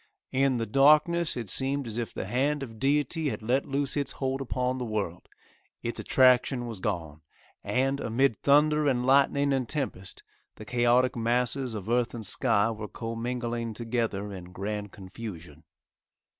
In the darkness it seemed as if the hand of Deity had let loose its hold upon the world, its attraction was gone, and, amid thunder and lightning and tempest, the chaotic masses of earth and sky were commingling together in grand confusion.